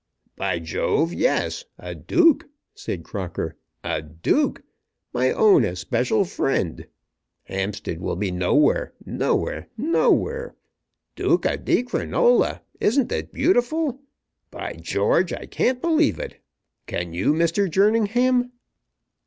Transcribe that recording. "By Jove, yes! A Duke," said Crocker. "A Duke! My own especial friend! Hampstead will be nowhere; nowhere; nowhere! Duca di Crinola! Isn't it beautiful? By George, I can't believe it. Can you, Mr. Jerningham?"